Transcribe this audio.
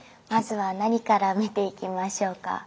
まずは何から見ていきましょうか？